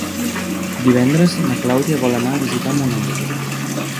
Divendres na Clàudia vol anar a visitar mon oncle.